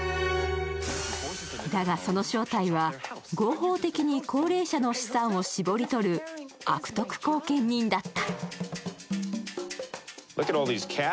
だが、その正体は合法的に高齢者の資産を搾り取る悪徳後見人だった。